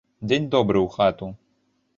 Дзень добры ў хату.